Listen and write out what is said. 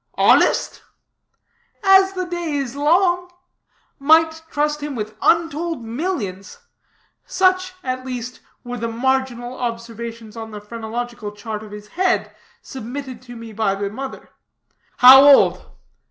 "Honest?" "As the day is long. Might trust him with untold millions. Such, at least, were the marginal observations on the phrenological chart of his head, submitted to me by the mother." "How old?"